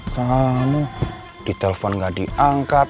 kamu ditelpon gak diangkat